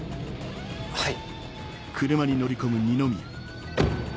はい。